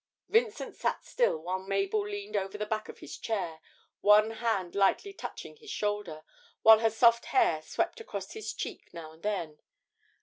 Vincent sat still while Mabel leaned over the back of his chair, with one hand lightly touching his shoulder, while her soft hair swept across his cheek now and then.